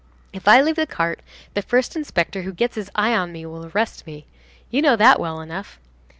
"If I leave the cart, the first inspector who gets his eye on me will arrest me. You know that well enough."